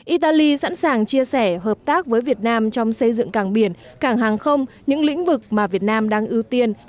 italy sẵn sàng chia sẻ hợp tác với việt nam trong xây dựng cảng biển cảng hàng không những lĩnh vực mà việt nam đang ưu tiên